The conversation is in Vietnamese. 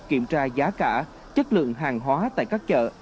kiểm tra giá cả chất lượng hàng hóa tại các chợ